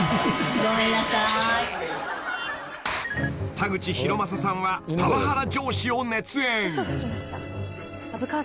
［田口浩正さんはパワハラ上司を熱演］